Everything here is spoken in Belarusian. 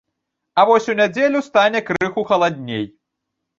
А вось у нядзелю стане крыху халадней.